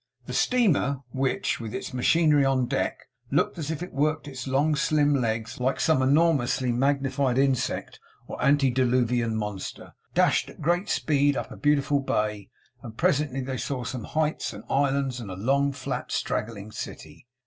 The steamer which, with its machinery on deck, looked, as it worked its long slim legs, like some enormously magnified insect or antediluvian monster dashed at great speed up a beautiful bay; and presently they saw some heights, and islands, and a long, flat, straggling city.